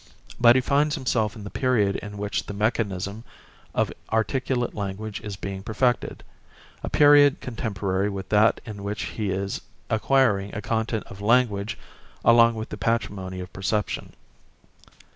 But he finds himself in the period in which the mechanism of articulate language is being perfected; a period contemporary with that in which he is acquiring a content of language along with the patrimony of perception.